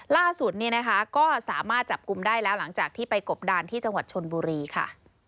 ล่าสุดเนี่ยนะคะก็สามารถจับกลุ่มได้แล้วหลังจากที่ไปกบดานที่จังหวัดชนบุรีค่ะ